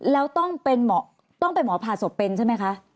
แล้วต้องเป็นหมอผ่าศพเป็นใช่ไหมคะ